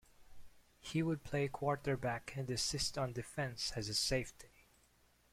He would play quarterback and assist on defense as a safety.